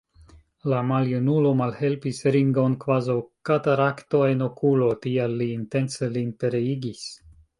La maljunulo malhelpis Ringon kvazaŭ katarakto en okulo, tial li intence lin pereigis!